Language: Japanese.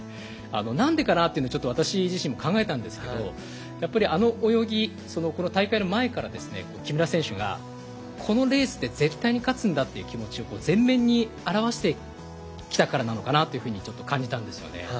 何でかなというのを私自身も考えたんですけどやっぱりあの泳ぎ大会の前からですね木村選手がこのレースで絶対に勝つんだっていう気持ちを全面に表してきたからなのかなというふうにちょっと感じたんですよね。